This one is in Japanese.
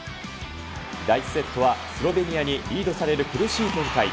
第１セットはスロベニアにリードされる苦しい展開。